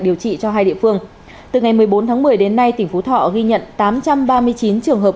điều trị cho hai địa phương từ ngày một mươi bốn tháng một mươi đến nay tỉnh phú thọ ghi nhận tám trăm ba mươi chín trường hợp